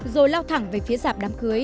rồi lao thẳng về phía giảp đám cưới